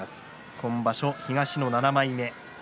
今場所、東の７枚目。